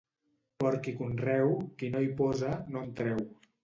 Porc i conreu, qui no hi posa, no en treu.